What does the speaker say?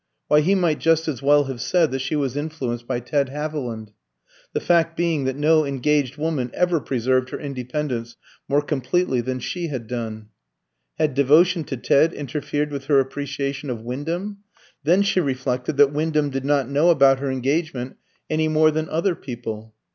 Why, he might just as well have said that she was influenced by Ted Haviland; the fact being that no engaged woman ever preserved her independence more completely than she had done. Had devotion to Ted interfered with her appreciation of Wyndham? Then she reflected that Wyndham did not know about her engagement any more than other people.